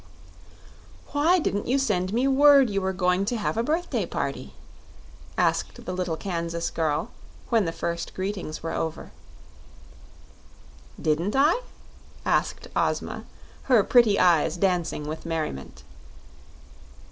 "Why didn't you send me word you were going to have a birthday party?" asked the little Kansas girl, when the first greetings were over. "Didn't I?" asked Ozma, her pretty eyes dancing with merriment.